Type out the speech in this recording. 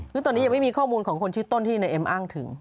คือตอนนี้ยังไม่มีข้อมูลของคนชื่อต้นที่นายเอ็มอ้างถึง